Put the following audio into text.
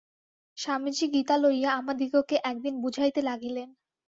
স্বামীজী গীতা লইয়া আমাদিগকে একদিন বুঝাইতে লাগিলেন।